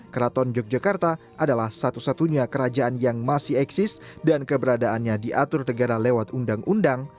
keraton yogyakarta adalah satu satunya kerajaan yang masih eksis dan keberadaannya diatur negara lewat undang undang